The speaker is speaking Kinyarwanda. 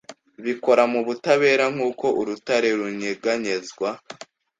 bikora mubutare nkuko urutare runyeganyezwa